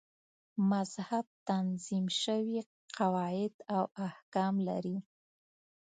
مذهب تنظیم شوي قواعد او احکام لري.